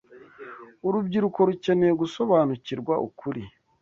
Urubyiruko rukeneye gusobanukirwa ukuri